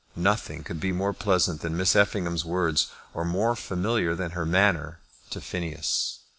Nothing could be more pleasant than Miss Effingham's words, or more familiar than her manner to Phineas.